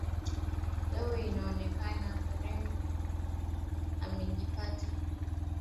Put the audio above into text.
Leo inaonekana Karimi amejipamba akapambika.